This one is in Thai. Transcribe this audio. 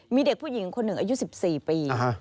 มีเด็กผู้หญิงคนหนึ่งอายุ๑๔ปี